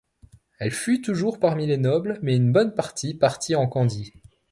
Elle fut toujours parmi les nobles, mais une bonne partie partit en Candie.